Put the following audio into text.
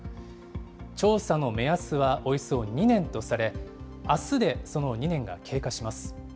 調査の目安はおよそ２年とされ、あすでその２年が経過します。